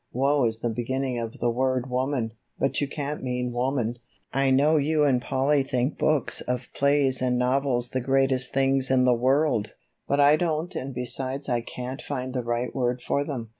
"'Wo' is the beginning of the word 'woman', but you can't mean woman. I know you and Polly think books of plays and novels the greatest things in the world, but I don't and besides I can't find the right word for them.